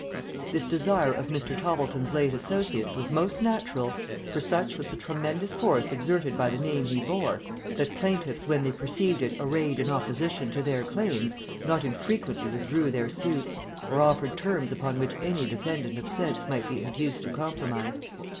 This desire of Mr. Toppleton's late associates was most natural, for such was the tremendous force exerted by the name he bore, that plaintiffs when they perceived it arrayed in opposition to their claims, not infrequently withdrew their suits, or offered terms upon which any defendant of sense might be induced to compromise.